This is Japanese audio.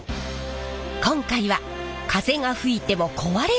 今回は風が吹いても壊れない！